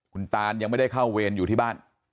คุณตานยังไม่ได้เข้าเวรอยู่ที่บ้าน